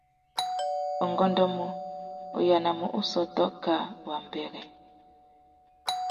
Ungôndômô, u yānamú ussôtô kā wambêrê.